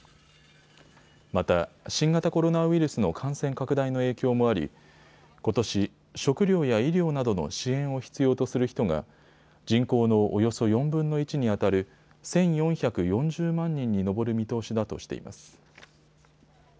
また、新型コロナウイルスの感染拡大の影響もありことし、食糧や医療などの支援を必要とする人が人口のおよそ４分の１にあたる１４４０万人に上る見通しだとしています。